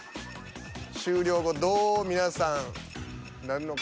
終了後どう皆さんなんのか。